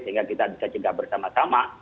sehingga kita bisa cegah bersama sama